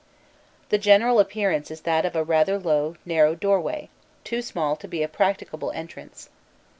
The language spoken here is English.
The general appearance is that of a rather low, narrow doorway, too small to be a practicable entrance.